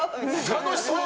楽しそう！